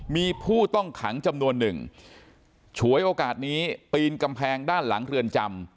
มีผู้ต้องขังจำนวนหนึ่งฉวยโอกาสนี้ปีนกำแพงด้านหลังเรือนจำ